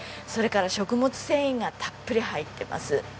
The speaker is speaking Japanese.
それから食物繊維がたっぷり入ってます。